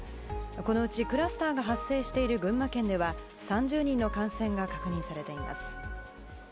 このうち、クラスターが発生している群馬県では３０人の感染が確認されています。